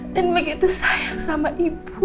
begitu sayang sama ibu